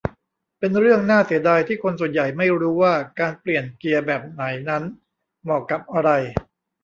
เป็นเรื่องน่าเสียดายที่คนส่วนใหญ่ไม่รู้ว่าการเปลี่ยนเกียร์แบบไหนนั้นเหมาะกับอะไร